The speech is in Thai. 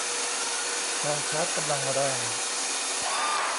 ถ่านชาร์จกำลังแรง